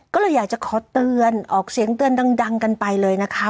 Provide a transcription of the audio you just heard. ก็เลยอยากจะขอเตือนออกเสียงเตือนดังกันไปเลยนะคะ